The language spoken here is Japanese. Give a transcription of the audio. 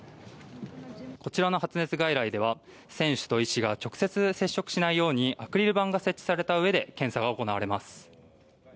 こちらの発熱外来では選手と医師が直接、接触しないようにアクリル板が設置されたうえで検査が行われます。